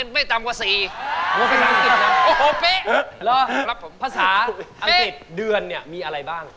หมวดภาษาอังกฤษนะฮะแล้วภาษาอังกฤษเดือนเนี่ยมีอะไรบ้าง